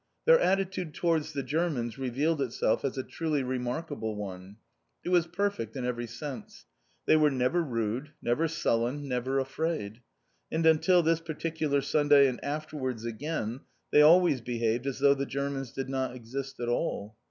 Their attitude towards the Germans revealed itself as a truly remarkable one. It was perfect in every sense. They were never rude, never sullen, never afraid, and until this particular Sunday and afterwards again, they always behaved as though the Germans did not exist at all.